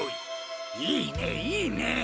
いいねいいね！